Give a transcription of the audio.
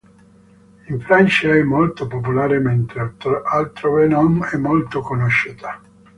In Francia è molto popolare mentre altrove non è molto conosciuta.